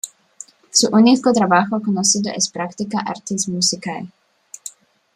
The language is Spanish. Su único trabajo conocido es "Practica artis musicae".